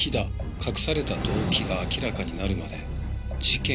「隠された動機が明らかになるまで事件は終わらない」